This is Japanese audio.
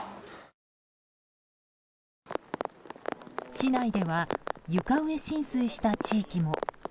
市内では床上浸水した地域も。